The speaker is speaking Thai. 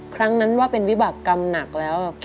ครั้งนั้นว่าเป็นวิบากรรมหนักแล้ว